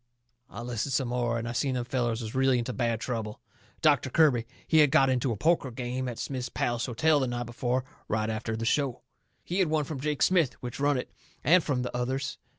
I listens some more, and I seen them fellers was really into bad trouble. Doctor Kirby, he had got into a poker game at Smith's Palace Hotel the night before, right after the show. He had won from Jake Smith, which run it, and from the others.